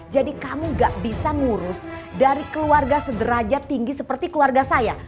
jadi kamu gak bisa ngurus dari keluarga sederhaja tinggi seperti keluarga saya